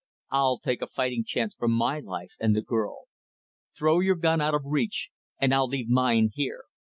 I'll take a fighting chance for my life and the girl. Throw your gun out of reach and I'll leave mine here.